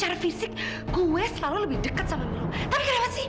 hati yang milu selalu buat si juli ini